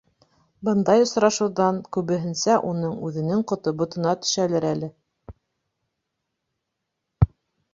Бындай осрашыуҙан күбеһенсә уның үҙенең ҡото ботона төшәлер әле.